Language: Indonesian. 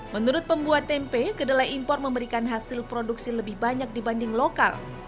menurut pembuat tempe kedelai impor memberikan hasil produksi lebih banyak dibanding lokal